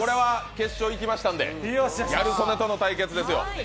決勝いきましたので、ギャル曽根との対決ですよ。